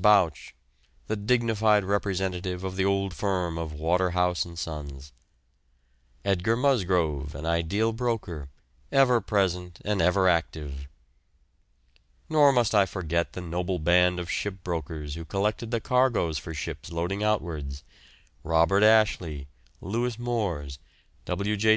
Bouch, the dignified representative of the old firm of Waterhouse and Sons; Edgar Musgrove, an ideal broker, ever present and ever active. Nor must I forget the noble band of shipbrokers who collected the cargoes for ships loading outwards: Robert Ashley, Louis Mors, W. J.